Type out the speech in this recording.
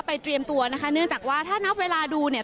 เตรียมตัวนะคะเนื่องจากว่าถ้านับเวลาดูเนี่ย